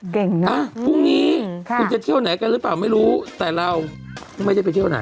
อ่ะพรุ่งนี้คุณจะเที่ยวไหนกันหรือเปล่าไม่รู้แต่เราไม่ได้ไปเที่ยวไหน